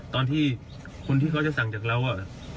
ตอนที่คนที่เขาจะสั่งจากเรา